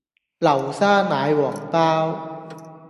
流沙奶黃包